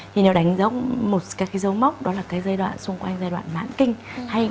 thì nó đánh dấu một dấu mốc đó là dây đoạn xung quanh dây đoạn mãn kinh